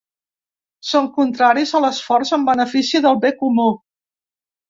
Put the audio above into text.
Son contraris a l’esforç en benefici del bé comú.